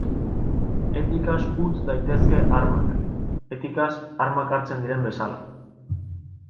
Etikaz utz daitezke armak, etikaz armak hartzen diren bezala.